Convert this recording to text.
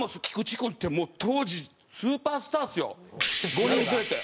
５人連れて。